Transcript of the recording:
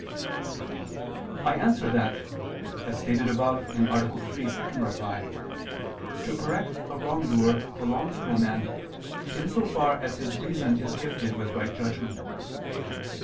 I answer that, As stated above (A. 3, ad 2), to correct a wrongdoer belongs to a man, in so far as his reason is gifted with right judgment.